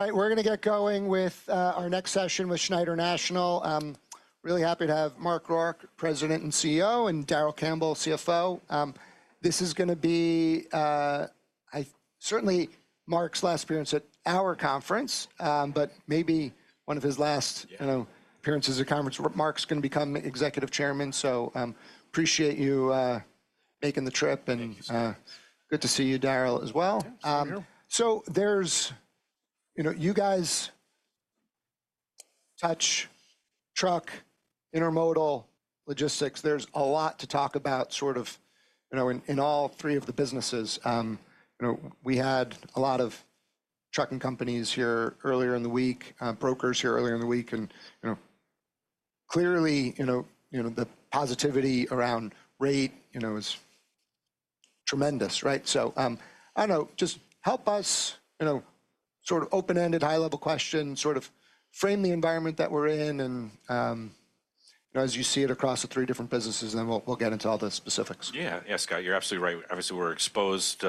All right, we're going to get going with our next session with Schneider National. Really happy to have Mark Rourke, President and CEO, and Darrell Campbell, CFO. This is going to be certainly Mark's last appearance at our conference, but maybe one of his last- Yeah.... appearances at conference. Mark's going to become executive chairman, so appreciate you making the trip. Thank you, Scott. Good to see you, Darrell, as well. Yeah, you too. You guys touch truck, intermodal, logistics. There's a lot to talk about in all three of the businesses. We had a lot of trucking companies here earlier in the week, brokers here earlier in the week, and clearly, the positivity around rate is tremendous, right? Just help us, open-ended, high-level question, frame the environment that we're in and as you see it across the three different businesses, then we'll get into all the specifics. Yeah. Scott, you're absolutely right. Obviously, we're exposed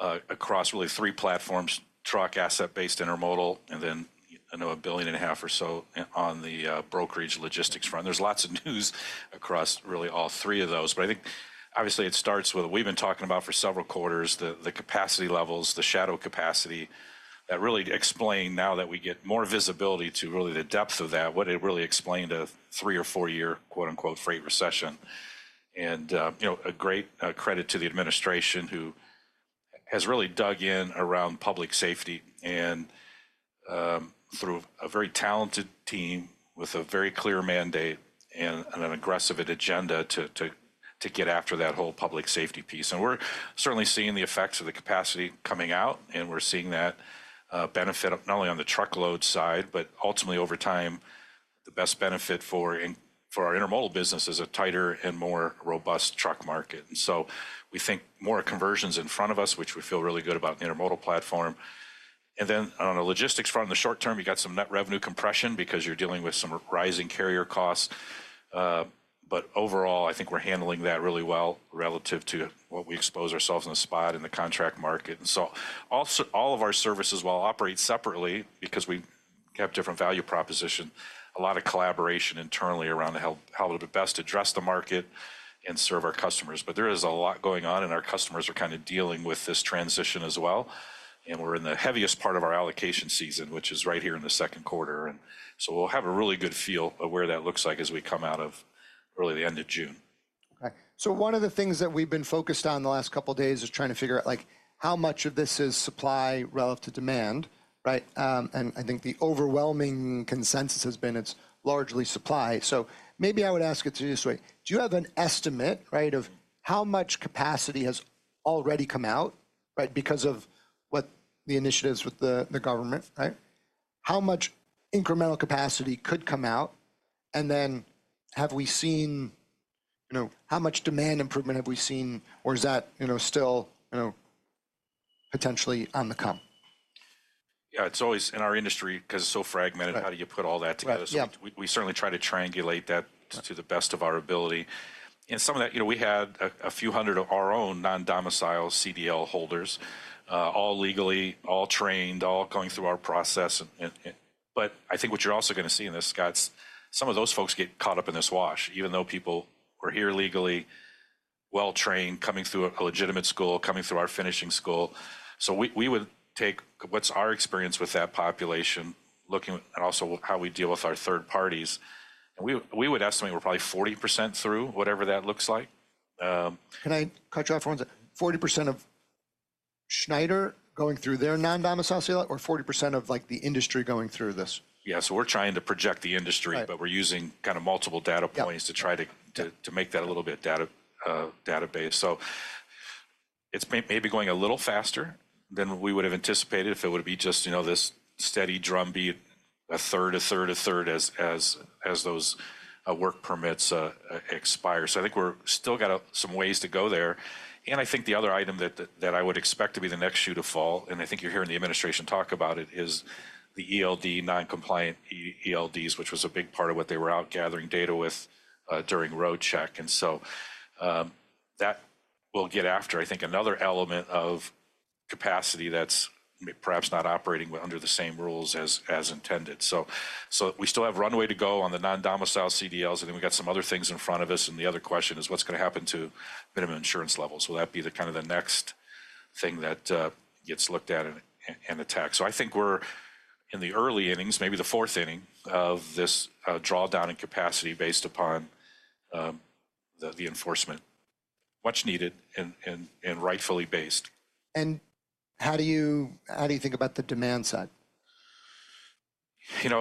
across really three platforms: truck, asset-based intermodal, and then, $1.5 billion or so on the brokerage logistics front. There's lots of news across really all three of those. I think obviously it starts with, we've been talking about for several quarters, the capacity levels, the shadow capacity that really explain now that we get more visibility to really the depth of that, what it really explained a three or four year, quote unquote, freight recession. A great credit to the administration, who has really dug in around public safety and through a very talented team with a very clear mandate and an aggressive agenda to get after that whole public safety piece. We're certainly seeing the effects of the capacity coming out, and we're seeing that benefit not only on the truckload side, but ultimately over time, the best benefit for our intermodal business is a tighter and more robust truck market. We think more conversions in front of us, which we feel really good about in the intermodal platform. Then on the logistics front, in the short term, you've got some net revenue compression because you're dealing with some rising carrier costs. Overall, I think we're handling that really well relative to what we expose ourselves on the spot in the contract market. All of our services, while operate separately because we have different value proposition, a lot of collaboration internally around how we best address the market and serve our customers. There is a lot going on, and our customers are kind of dealing with this transition as well. We're in the heaviest part of our allocation season, which is right here in the second quarter. We'll have a really good feel of where that looks like as we come out of really the end of June. Okay. One of the things that we've been focused on the last couple of days is trying to figure out how much of this is supply relative to demand, right? I think the overwhelming consensus has been it's largely supply. Maybe I would ask it to you this way. Do you have an estimate, right, of how much capacity has already come out, right, because of what the initiatives with the government, right? How much incremental capacity could come out? Then how much demand improvement have we seen, or is that still potentially on the come? It's always in our industry, because it's so fragmented, how do you put all that together? Right. Yeah. We certainly try to triangulate that to the best of our ability. Some of that, we had a few hundred of our own non-domicile CDL holders, all legally, all trained, all going through our process. I think what you're also going to see in this, Scott, some of those folks get caught up in this wash, even though people were here legally, well-trained, coming through a legitimate school, coming through our finishing school. We would take what's our experience with that population, looking at also how we deal with our third parties. We would estimate we're probably 40% through, whatever that looks like. Can I cut you off for one second? 40% of Schneider going through their non-domicile CDL, or 40% of the industry going through this? Yeah. We're trying to project the industry. Right. We're using kind of multiple data points to try to make that a little bit data-based. It's maybe going a little faster than we would've anticipated if it would be just this steady drumbeat, a third, a third, a third, as those work permits expire. I think we're still got some ways to go there, and I think the other item that I would expect to be the next shoe to fall, and I think you're hearing the administration talk about it, is the ELD non-compliant ELDs, which was a big part of what they were out gathering data with during Roadcheck. That will get after, I think, another element of capacity that's perhaps not operating under the same rules as intended. We still have runway to go on the non-domicile CDLs, and then we've got some other things in front of us, and the other question is what's going to happen to minimum insurance levels? Will that be the next thing that gets looked at and attacked? I think we're in the early innings, maybe the fourth inning, of this drawdown in capacity based upon the enforcement, much needed and rightfully based. How do you think about the demand side? In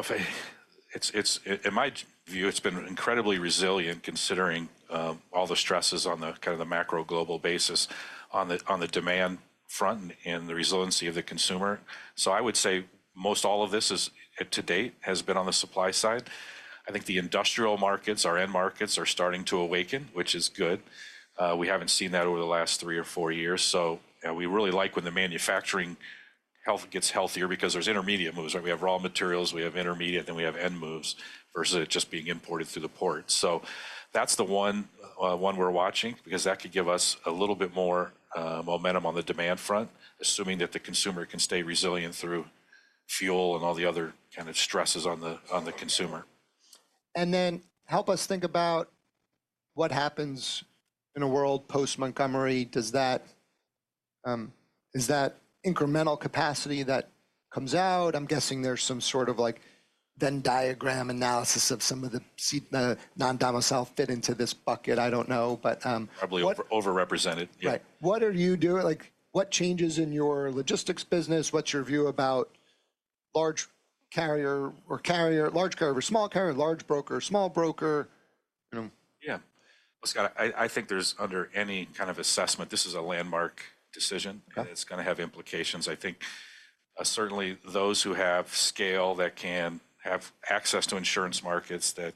my view, it's been incredibly resilient considering all the stresses on the macro global basis on the demand front and the resiliency of the consumer. I would say most all of this is to date, has been on the supply side. I think the industrial markets, our end markets, are starting to awaken, which is good. We haven't seen that over the last three or four years. We really like when the manufacturing health gets healthier because there's intermediate moves, right? We have raw materials, we have intermediate, then we have end moves, versus it just being imported through the port. That's the one we're watching because that could give us a little bit more momentum on the demand front, assuming that the consumer can stay resilient through fuel and all the other kind of stresses on the consumer. Help us think about what happens in a world post-Montgomery. Is that incremental capacity that comes out, I'm guessing there's some sort of Venn diagram analysis of some of the non-domiciled fit into this bucket, I don't know? Probably overrepresented. Yeah. Right. What changes in your logistics business? What is your view about large carrier or small carrier, large broker or small broker? Yeah. Well, Scott, I think there's, under any kind of assessment, this is a landmark decision. Okay. It's going to have implications. I think, certainly those who have scale that can have access to insurance markets, that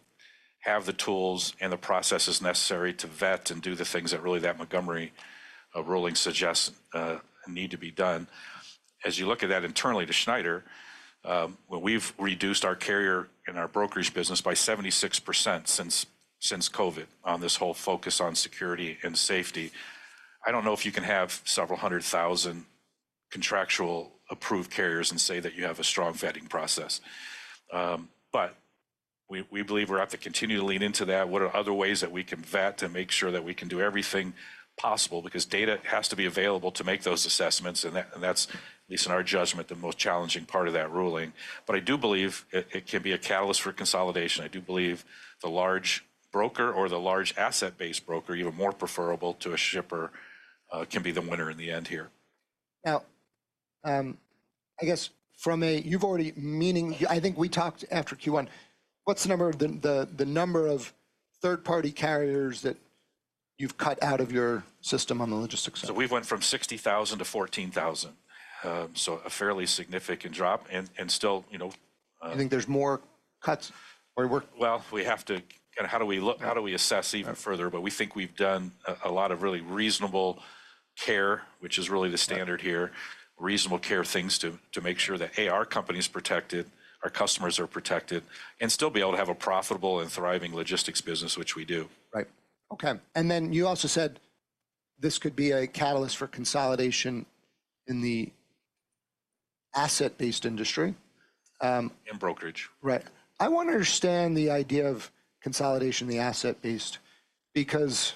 have the tools and the processes necessary to vet and do the things that really that Montgomery ruling suggests need to be done. As you look at that internally to Schneider, when we've reduced our carrier and our brokerage business by 76% since COVID on this whole focus on security and safety, I don't know if you can have several hundred thousand contractual approved carriers and say that you have a strong vetting process. We believe we have to continue to lean into that. What are other ways that we can vet and make sure that we can do everything possible? Data has to be available to make those assessments, and that's, at least in our judgment, the most challenging part of that ruling. I do believe it can be a catalyst for consolidation. I do believe the large broker or the large asset-based broker, even more preferable to a shipper, can be the winner in the end here. Now, I think we talked after Q1. What's the number of third-party carriers that you've cut out of your system on the logistics side? We've went from 60,000 to 14,000, a fairly significant drop. You think there's more cuts or work? Well, how do we assess even further? We think we've done a lot of really reasonable care, which is really the standard here. Reasonable care things to make sure that, A, our company's protected, our customers are protected, and still be able to have a profitable and thriving logistics business, which we do. Right. Okay. You also said this could be a catalyst for consolidation in the asset-based industry. Brokerage. Right. I want to understand the idea of consolidation in the asset-based, because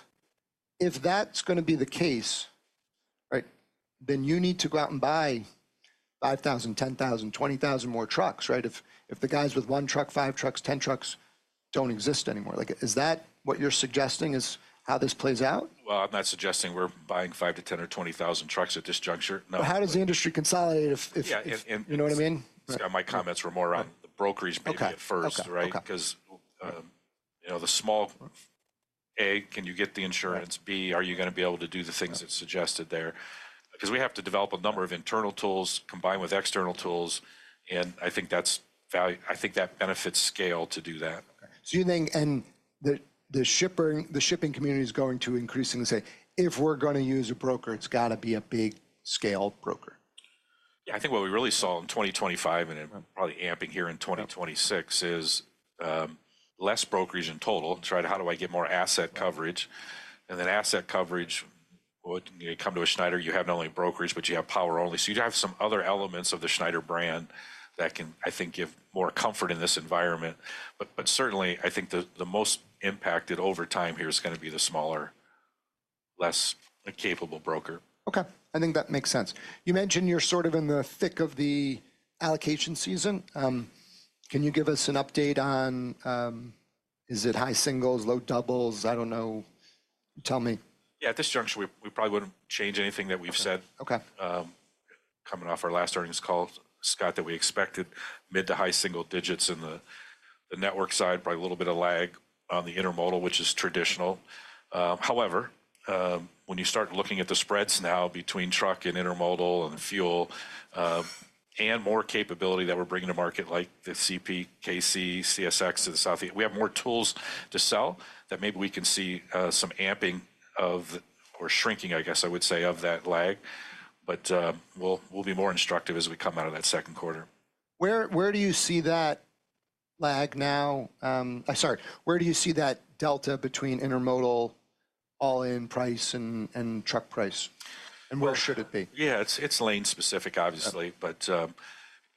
if that's going to be the case, then you need to go out and buy 5,000, 10,000, 20,000 more trucks, right? If the guys with one truck, five trucks, 10 trucks don't exist anymore. Is that what you're suggesting is how this plays out? Well, I'm not suggesting we're buying 5,000-10,000 or 20,000 trucks at this juncture. No. How does the industry consolidate? Yeah. You know what I mean? My comments were more on the brokerage maybe at first, right? Okay. The small, A, can you get the insurance? B, are you going to be able to do the things that's suggested there? We have to develop a number of internal tools combined with external tools, and I think that benefits scale to do that. Okay. You think the shipping community is going to increasingly say, "If we're going to use a broker, it's got to be a big-scale broker. Yeah. I think what we really saw in 2025, and probably amping here in 2026, is less brokerage in total. It's right, how do I get more asset coverage? Asset coverage would come to a Schneider. You have not only brokerage, but you have Power Only. You'd have some other elements of the Schneider brand that can, I think, give more comfort in this environment. Certainly, I think the most impacted over time here is going to be the smaller, less capable broker. Okay. I think that makes sense. You mentioned you're sort of in the thick of the allocation season. Can you give us an update on, is it high singles, low doubles? I don't know. Tell me. Yeah. At this juncture, we probably wouldn't change anything that we've said. Okay. Coming off our last earnings call, Scott, that we expected mid to high single digits in the network side, probably a little bit of lag on the intermodal, which is traditional. When you start looking at the spreads now between truck and intermodal and fuel, and more capability that we're bringing to market, like the CPKC, CSX to the southeast. We have more tools to sell that maybe we can see some amping of, or shrinking, I guess I would say, of that lag. We'll be more instructive as we come out of that second quarter. Where do you see that lag now? I'm sorry. Where do you see that delta between intermodal all-in price and truck price? Where should it be? Yeah. It is lane-specific, obviously. Okay.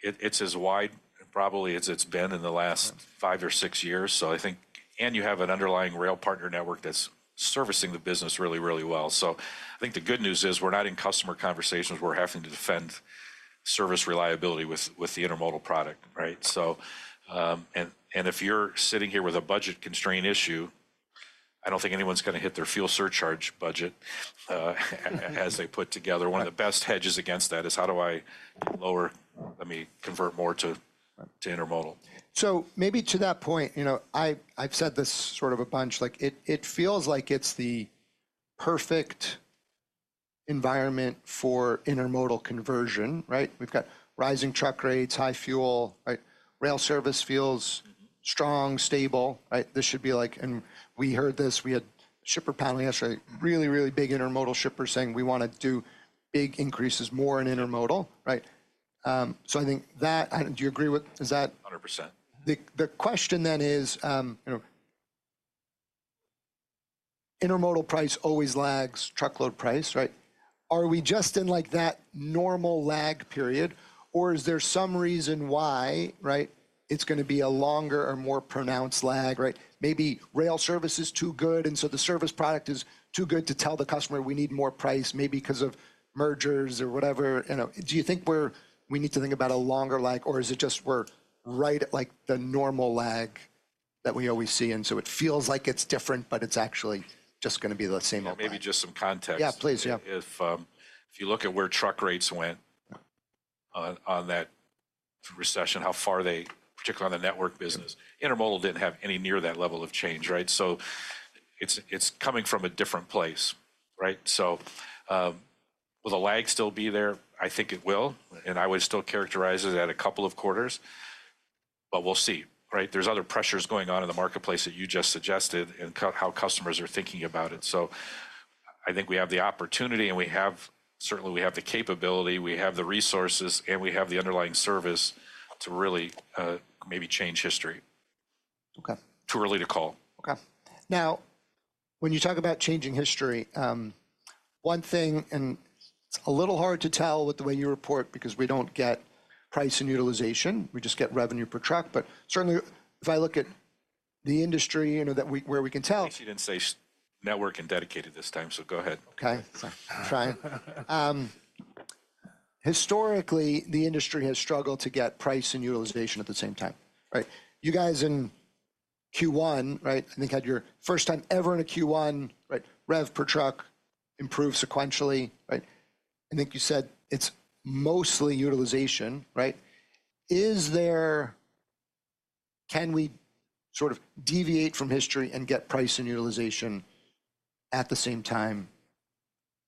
It's as wide probably as it's been in the last five or six years. I think, and you have an underlying rail partner network that's servicing the business really, really well. I think the good news is we're not in customer conversations where we're having to defend service reliability with the intermodal product, right? And if you're sitting here with a budget constraint issue, I don't think anyone's going to hit their fuel surcharge budget as they put together. One of the best hedges against that is how do I lower, let me convert more to intermodal. Maybe to that point, I've said this sort of a bunch, it feels like it's the perfect environment for intermodal conversion, right? We've got rising truck rates, high fuel. Rail service feels strong, stable. This should be like, and we heard this, we had a shipper panel yesterday, really big intermodal shippers saying we want to do big increases more in intermodal, right? I think that. Do you agree with- Is that? 100%. The question then is: intermodal price always lags truckload price, right? Are we just in that normal lag period, or is there some reason why it's going to be a longer or more pronounced lag, right? Maybe rail service is too good, and so the service product is too good to tell the customer we need more price, maybe because of mergers or whatever. Do you think we need to think about a longer lag, or is it just we're right at the normal lag that we always see, and so it feels like it's different, but it's actually just going to be the same old lag? Maybe just some context. Yeah, please. Yeah. If you look at where truck rates went on that recession, how far they, particularly on the network business, intermodal didn't have any near that level of change, right? It's coming from a different place, right? Will the lag still be there? I think it will, and I would still characterize it at a couple of quarters, but we'll see, right? There's other pressures going on in the marketplace that you just suggested and how customers are thinking about it. I think we have the opportunity and certainly we have the capability, we have the resources, and we have the underlying service to really maybe change history. Okay. Too early to call. Okay. When you talk about changing history, one thing, and it's a little hard to tell with the way you report, because we don't get price and utilization, we just get revenue per truck. Certainly, if I look at the industry. At least you didn't say network and dedicated this time, so go ahead. Okay. I'm trying. Historically, the industry has struggled to get price and utilization at the same time, right? You guys in Q1, I think had your first time ever in a Q1, rev per truck improved sequentially, right? I think you said it's mostly utilization, right? Can we sort of deviate from history and get price and utilization at the same time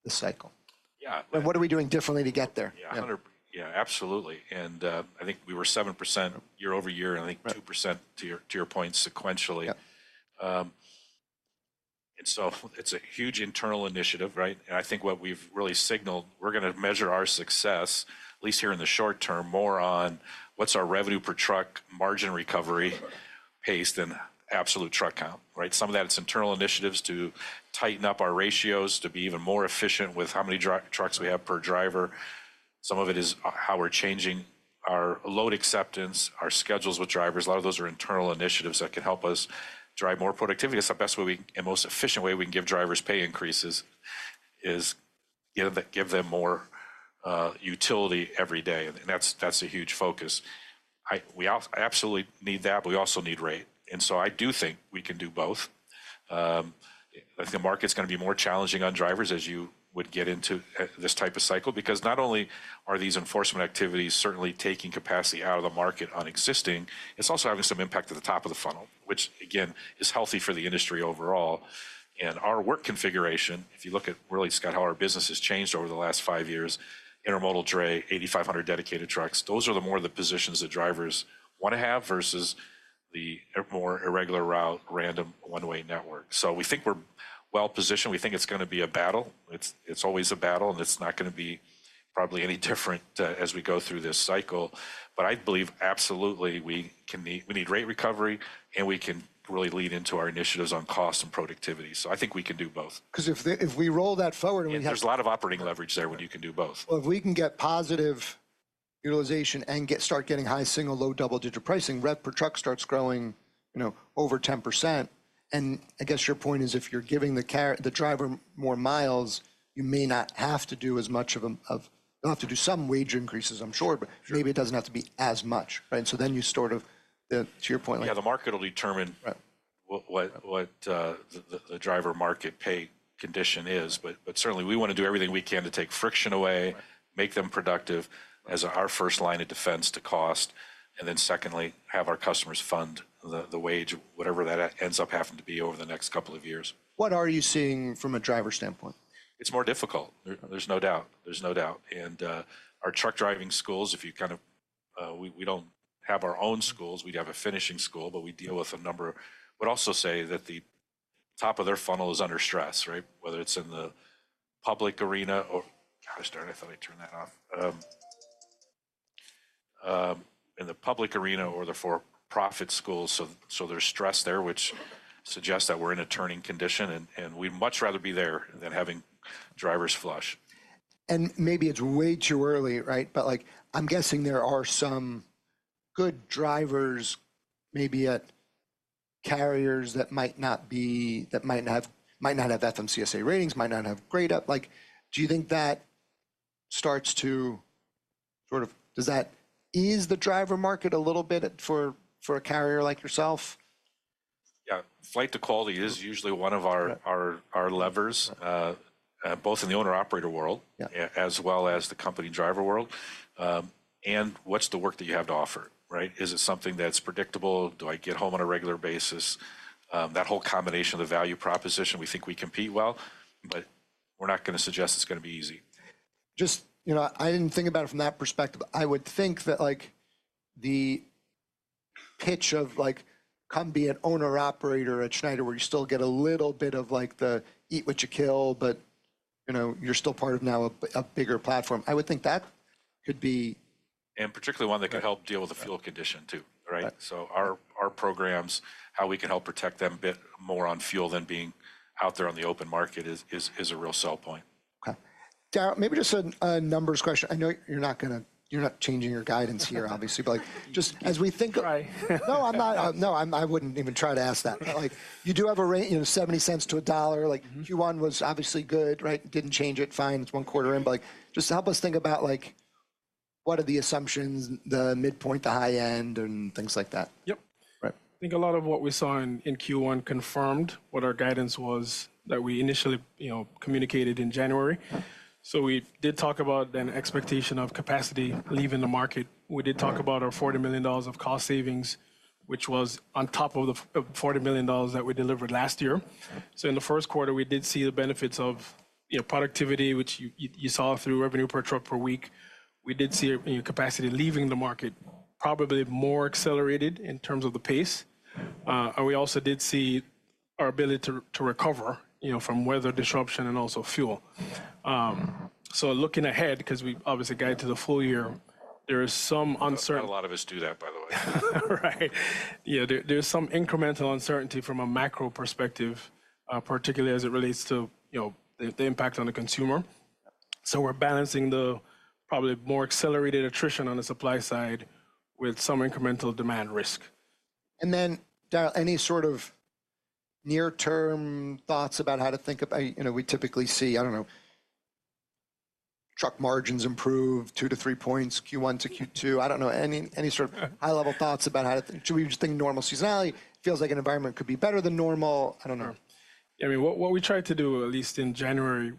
this cycle? Yeah. What are we doing differently to get there? Yeah. Absolutely. I think we were 7% year-over-year, and I think 2%, to your point, sequentially. Yeah. It's a huge internal initiative, right? I think what we've really signaled, we're going to measure our success, at least here in the short term, more on what's our revenue per truck, margin recovery pace, than absolute truck count, right? Some of that's internal initiatives to tighten up our ratios, to be even more efficient with how many trucks we have per driver. Some of it is how we're changing our load acceptance, our schedules with drivers. A lot of those are internal initiatives that can help us drive more productivity. That's the best way we, and most efficient way we can give drivers pay increases, is give them more utility every day. That's a huge focus. I absolutely need that, but we also need rate, and so I do think we can do both. I think the market's going to be more challenging on drivers as you would get into this type of cycle, because not only are these enforcement activities certainly taking capacity out of the market on existing, it's also having some impact at the top of the funnel, which again, is healthy for the industry overall. Our work configuration, if you look at really, Scott, how our business has changed over the last five years, intermodal dray, 8,500 dedicated trucks, those are the more the positions that drivers want to have versus the more irregular route, random one-way network. We think we're well-positioned. We think it's going to be a battle. It's always a battle, and it's not going to be probably any different as we go through this cycle. I believe absolutely we need rate recovery, and we can really lean into our initiatives on cost and productivity. I think we can do both. Because if we roll that forward, we have. There's a lot of operating leverage there when you can do both. Well, if we can get positive utilization and start getting high single, low double-digit pricing, rev per truck starts growing over 10%. I guess your point is if you're giving the driver more miles, you'll have to do some wage increases, I'm sure. Sure. Maybe it doesn't have to be as much. Right? You sort of, to your point. Yeah, the market will determine. Right. What the driver market pay condition is. Certainly, we want to do everything we can to take friction away, make them productive as our first line of defense to cost, and then secondly, have our customers fund the wage, whatever that ends up having to be over the next couple of years. What are you seeing from a driver standpoint? It's more difficult. There's no doubt. Our truck driving schools, we don't have our own schools. We have a finishing school, but we deal with a number. Would also say that the top of their funnel is under stress, right? Whether it's in the public arena or Gosh darn, I thought I turned that off. In the public arena or the for-profit schools. There's stress there, which suggests that we're in a turning condition, we'd much rather be there than having drivers flush. Maybe it's way too early, right? I'm guessing there are some good drivers, maybe at carriers that might not have FMCSA ratings, might not have grade up. Do you think that eases the driver market a little bit for a carrier like yourself? Yeah. Flight to quality is usually one of our levers, both in the owner/operator world- Yeah. As well as the company driver world. What's the work that you have to offer, right? Is it something that's predictable? Do I get home on a regular basis? That whole combination of the value proposition, we think we compete well, but we're not going to suggest it's going to be easy. Just, I didn't think about it from that perspective. I would think that the pitch of come be an owner/operator at Schneider, where you still get a little bit of the eat what you kill, but you're still part of now a bigger platform. I would think that could be. Particularly one that could help deal with the fuel condition too, right? Right. Our programs, how we can help protect them a bit more on fuel than being out there on the open market is a real sell point. Okay. Darrell, maybe just a numbers question. I know you're not changing your guidance here, obviously. Try. No, I'm not. No, I wouldn't even try to ask that. You do have a rate, $0.70-$1.00. Q1 was obviously good, right? Didn't change it. Fine. It's one quarter in, but just help us think about what are the assumptions, the midpoint, the high end, and things like that. Yep. Right. I think a lot of what we saw in Q1 confirmed what our guidance was that we initially communicated in January. We did talk about an expectation of capacity leaving the market. We did talk about our $40 million of cost savings, which was on top of the $40 million that we delivered last year. In the first quarter, we did see the benefits of productivity, which you saw through revenue per truck per week. We did see capacity leaving the market, probably more accelerated in terms of the pace. We also did see our ability to recover from weather disruption and also fuel. Looking ahead, because we obviously guide to the full year. Not a lot of us do that, by the way. Right. There's some incremental uncertainty from a macro perspective, particularly as it relates to the impact on the consumer. We're balancing the probably more accelerated attrition on the supply side with some incremental demand risk. Darrell, any sort of near-term thoughts about how to think about. We typically see, I don't know, truck margins improve two to three points Q1 to Q2. I don't know. Any sort of high-level thoughts about how to think. Should we just think normal seasonality? Feels like an environment could be better than normal. I don't know. What we tried to do, at least in January,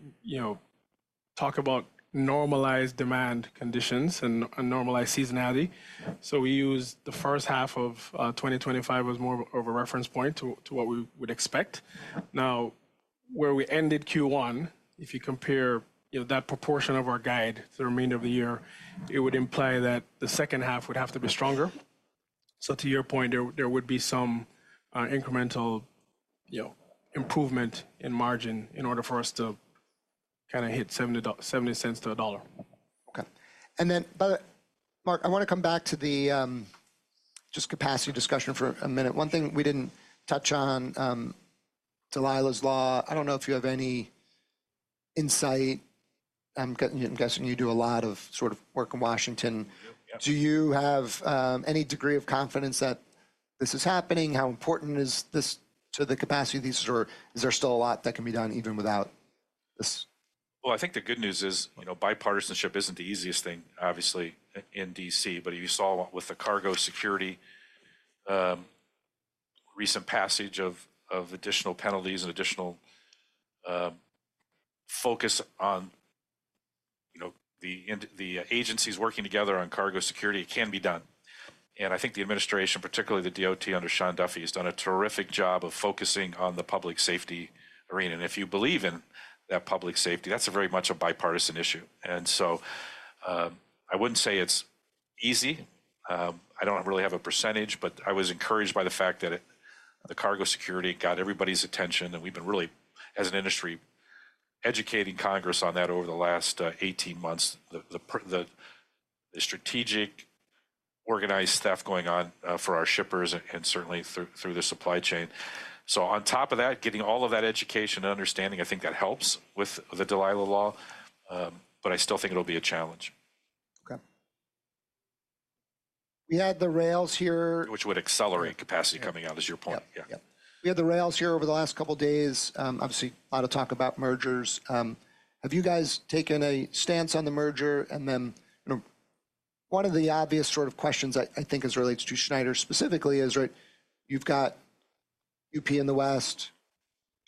talk about normalized demand conditions and normalized seasonality. We used the first half of 2025 as more of a reference point to what we would expect. Where we ended Q1, if you compare that proportion of our guide to the remainder of the year, it would imply that the second half would have to be stronger. To your point, there would be some incremental improvement in margin in order for us to kind of hit $0.70-$1.00. Okay. By the way, Mark, I want to come back to the just capacity discussion for a minute. One thing we didn't touch on, Dalilah's Law. I don't know if you have any insight. I'm guessing you do a lot of work in Washington. Yep. Do you have any degree of confidence that this is happening? How important is this to the capacity of these? Is there still a lot that can be done even without this? Well, I think the good news is bipartisanship isn't the easiest thing, obviously, in D.C. You saw with the cargo security recent passage of additional penalties and additional focus on the agencies working together on cargo security, it can be done. I think the administration, particularly the DOT under Sean Duffy, has done a terrific job of focusing on the public safety arena. If you believe in that public safety, that's very much a bipartisan issue. I wouldn't say it's easy. I don't really have a percentage, but I was encouraged by the fact that cargo security got everybody's attention, and we've been really, as an industry, educating Congress on that over the last 18 months, the strategic, organized stuff going on for our shippers and certainly through the supply chain. On top of that, getting all of that education and understanding, I think that helps with the Dalilah's Law. I still think it'll be a challenge. Okay. We had the rails here. Which would accelerate capacity coming out, is your point. Yep. Yeah. We had the rails here over the last couple of days. Obviously, a lot of talk about mergers. Have you guys taken a stance on the merger? One of the obvious sort of questions I think as it relates to Schneider specifically is you've got UP in the West,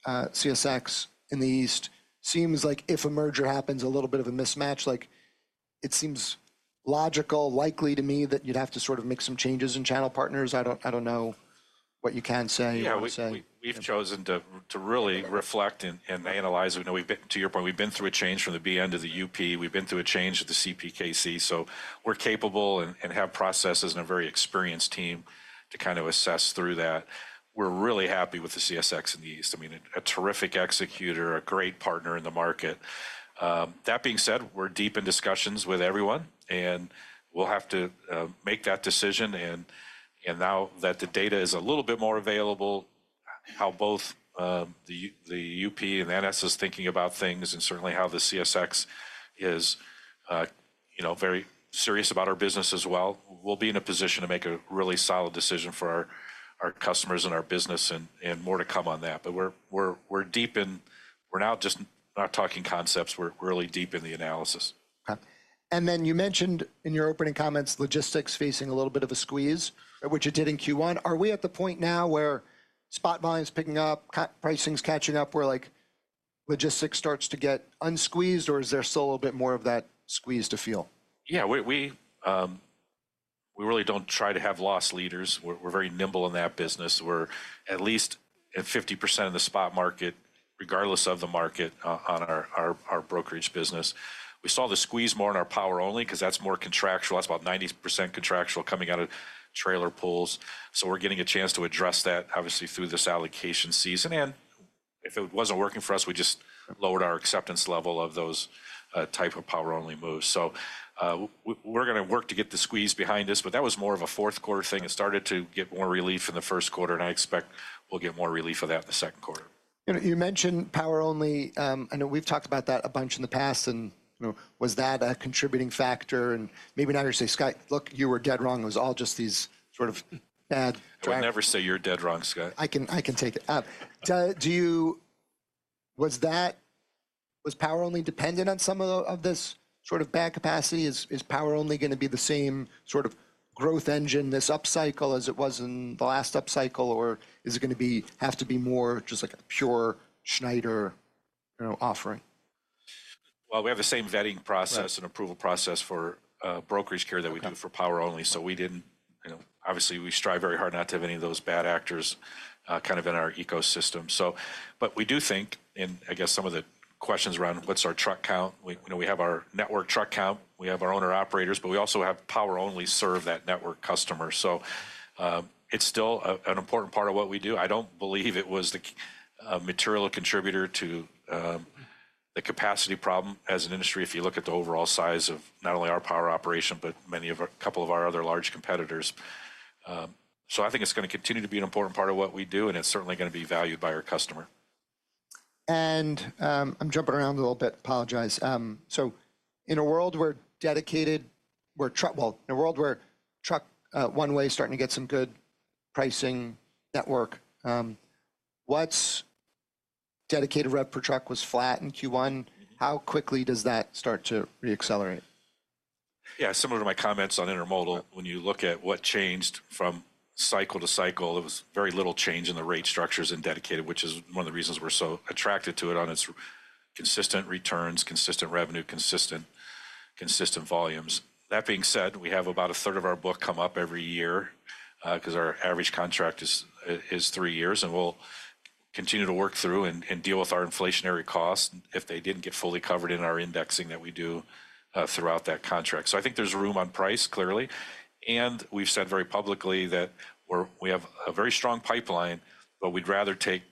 CSX in the East. Seems like if a merger happens, a little bit of a mismatch. It seems logical, likely to me that you'd have to sort of make some changes in channel partners. I don't know what you can say or would say. Yeah. We've chosen to really reflect and analyze. To your point, we've been through a change from the BN to the UP. We've been through a change with the CPKC. We're capable and have processes and a very experienced team to kind of assess through that. We're really happy with the CSX in the East. A terrific executor, a great partner in the market. That being said, we're deep in discussions with everyone, and we'll have to make that decision. Now that the data is a little bit more available, how both the UP and NS is thinking about things and certainly how the CSX is very serious about our business as well. We'll be in a position to make a really solid decision for our customers and our business and more to come on that. We're now just not talking concepts. We're really deep in the analysis. Okay. Then you mentioned in your opening comments, logistics facing a little bit of a squeeze, which it did in Q1. Are we at the point now where spot volume's picking up, pricing's catching up, where logistics starts to get unsqueezed, or is there still a little bit more of that squeeze to feel? Yeah. We really don't try to have loss leaders. We're very nimble in that business. We're at least at 50% of the spot market, regardless of the market on our brokerage business. We saw the squeeze more in our Power Only because that's more contractual. That's about 90% contractual coming out of trailer pools. We're getting a chance to address that, obviously, through this allocation season. If it wasn't working for us, we just lowered our acceptance level of those type of Power Only moves. We're going to work to get the squeeze behind us, but that was more of a fourth quarter thing. It started to get more relief in the first quarter, and I expect we'll get more relief of that in the second quarter. You mentioned Power Only. I know we've talked about that a bunch in the past and was that a contributing factor? Maybe now you're going to say, "Scott, look, you were dead wrong. It was all just these sort of bad actors. I would never say you're dead wrong, Scott. I can take it. Was Power Only dependent on some of this sort of bad capacity? Is Power Only going to be the same sort of growth engine this up cycle as it was in the last up cycle, or is it going to have to be more just like a pure Schneider offering? Well, we have the same vetting process- Right.... and approval process for brokerage carrier that we do for Power Only. Obviously we strive very hard not to have any of those bad actors kind of in our ecosystem. We do think, and I guess some of the questions around what's our truck count, we have our network truck count, we have our owner-operators, but we also have Power Only serve that network customer. It's still an important part of what we do. I don't believe it was the material contributor to the capacity problem as an industry, if you look at the overall size of not only our power operation, but a couple of our other large competitors. I think it's going to continue to be an important part of what we do, and it's certainly going to be valued by our customer. I'm jumping around a little bit, apologize. In a world where dedicated, well, in a world where truck one way is starting to get some good pricing network, dedicated rev per truck was flat in Q1. How quickly does that start to re-accelerate? Yeah. Similar to my comments on intermodal, when you look at what changed from cycle to cycle, it was very little change in the rate structures in dedicated, which is one of the reasons we're so attracted to it on its consistent returns, consistent revenue, consistent volumes. We'll continue to work through and deal with our inflationary costs if they didn't get fully covered in our indexing that we do throughout that contract. I think there's room on price, clearly. We've said very publicly that we have a very strong pipeline. We'd rather take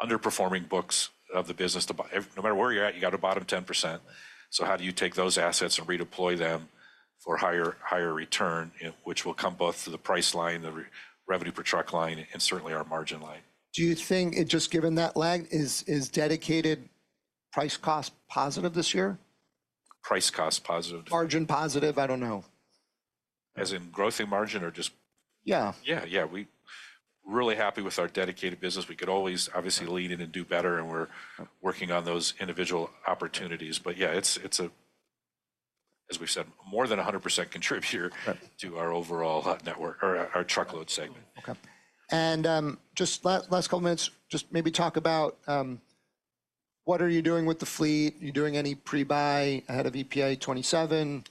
underperforming books of the business. No matter where you're at, you got a bottom 10%. How do you take those assets and redeploy them for higher return, which will come both through the price line, the revenue per truck line, and certainly our margin line. Do you think it just given that lag, is dedicated price-cost positive this year? Price cost positive. Margin positive? I don't know. As in growth in margin or just? Yeah Yeah. We really happy with our dedicated business. We could always obviously lean in and do better, and we're working on those individual opportunities. Yeah, it's, as we've said, more than 100% contributor to our overall network or our truckload segment. Okay. Just last couple minutes, just maybe talk about what are you doing with the fleet? You doing any pre-buy ahead of EPA 2027?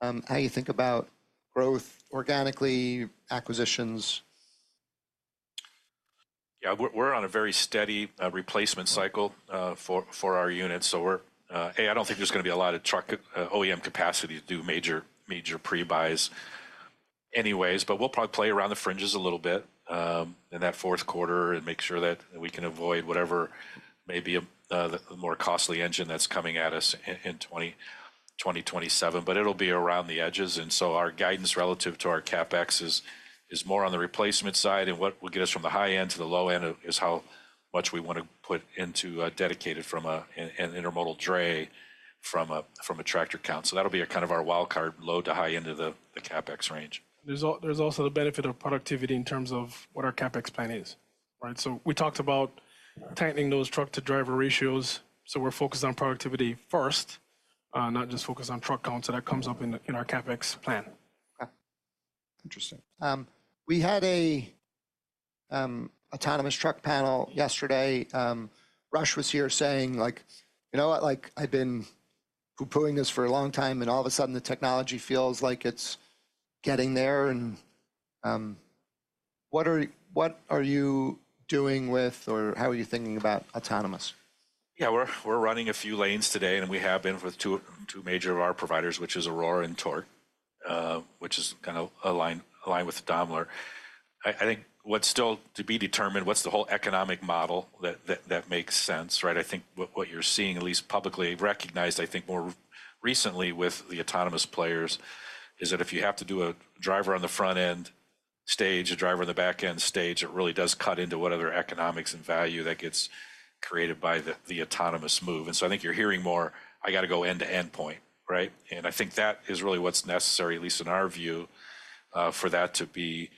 How you think about growth organically, acquisitions? We're on a very steady replacement cycle for our units. I don't think there's going to be a lot of truck OEM capacity to do major pre-buys anyways, but we'll probably play around the fringes a little bit in that fourth quarter and make sure that we can avoid whatever may be the more costly engine that's coming at us in 2027, but it'll be around the edges. Our guidance relative to our CapEx is more on the replacement side and what will get us from the high end to the low end is how much we want to put into a dedicated from an intermodal drayage from a tractor count. That'll be a kind of our wild card low to high end of the CapEx range. There's also the benefit of productivity in terms of what our CapEx plan is. Right. We talked about tightening those truck-to-driver ratios. We're focused on productivity first, not just focused on truck count. That comes up in our CapEx plan. Okay. Interesting. We had a autonomous truck panel yesterday. Rush was here saying, "You know what? I've been poo-poohing this for a long time, and all of a sudden the technology feels like it's getting there." What are you doing with, or how are you thinking about autonomous? Yeah, we're running a few lanes today, we have been with two major of our providers, which is Aurora and Torc, which is kind of aligned with Daimler. I think what's still to be determined, what's the whole economic model that makes sense, right? I think what you're seeing, at least publicly recognized, I think more recently with the autonomous players, is that if you have to do a driver on the front-end stage, a driver on the back-end stage, it really does cut into what other economics and value that gets created by the autonomous move. I think you're hearing more, "I got to go end-to-end point." Right? I think that is really what's necessary, at least in our view, for that to be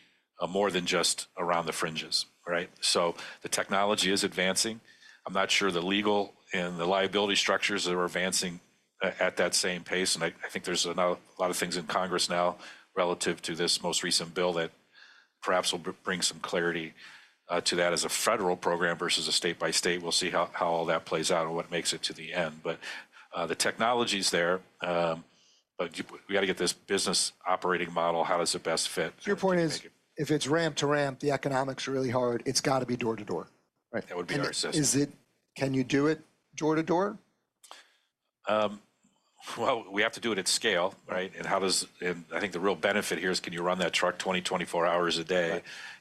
more than just around the fringes, right? The technology is advancing. I'm not sure the legal and the liability structures are advancing at that same pace. I think there's a lot of things in Congress now relative to this most recent bill that perhaps will bring some clarity to that as a federal program versus a state by state. We'll see how all that plays out and what makes it to the end. The technology's there, but we got to get this business operating model, how does it best fit? Your point is, if it's ramp to ramp, the economics are really hard. It's got to be door to door. Right? That would be our system. Can you do it door to door? Well, we have to do it at scale, right? I think the real benefit here is can you run that truck 20-24 hours a day?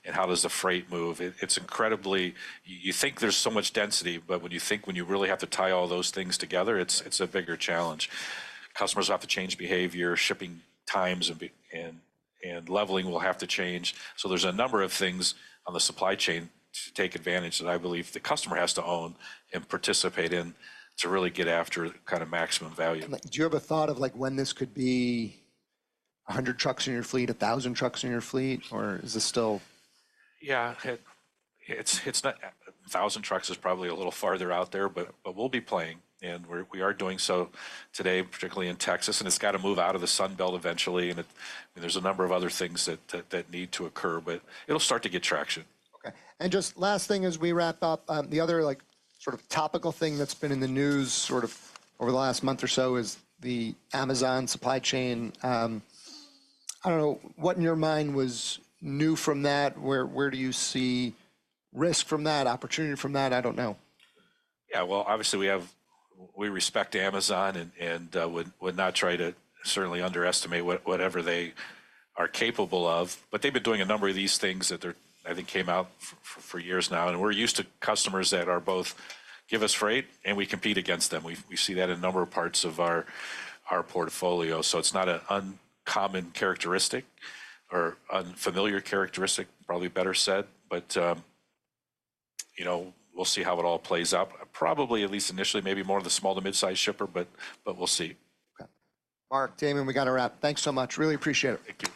Right. How does the freight move? You think there's so much density, but when you really have to tie all those things together, it's a bigger challenge. Customers have to change behavior, shipping times, and leveling will have to change. There's a number of things on the supply chain to take advantage that I believe the customer has to own and participate in to really get after kind of maximum value. Do you have a thought of like when this could be 100 trucks in your fleet, 1,000 trucks in your fleet? Yeah. 1,000 trucks is probably a little farther out there, but we'll be playing, and we are doing so today, particularly in Texas, and it's got to move out of the Sun Belt eventually. There's a number of other things that need to occur, but it'll start to get traction. Okay. Just last thing as we wrap up. The other sort of topical thing that's been in the news sort of over the last month or so is the Amazon supply chain. I don't know, what in your mind was new from that? Where do you see risk from that, opportunity from that? I don't know. Yeah. Well, obviously, we respect Amazon and would not try to certainly underestimate whatever they are capable of. They've been doing a number of these things that I think came out for years now, and we're used to customers that are both give us freight and we compete against them. We see that in a number of parts of our portfolio. It's not an uncommon characteristic or unfamiliar characteristic, probably better said. We'll see how it all plays out. Probably, at least initially, maybe more of the small to mid-size shipper, but we'll see. Okay. Mark, Darrell, we got to wrap. Thanks so much. Really appreciate it. Thank you.